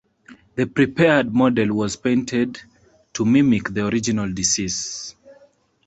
The prepared model was painted to mimic the original disease.